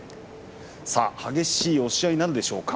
激しい押し合いになるでしょうか。